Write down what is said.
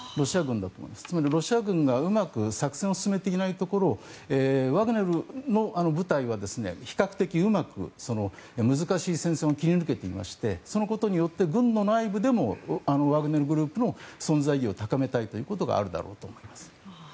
つまりロシア軍がうまく作戦を進めていないところをワグネルの部隊は比較的うまく難しい戦争も切り抜けていましてそのことによって軍の内部でもワグネルグループの存在意義を高めたいということがあるだろうと思います。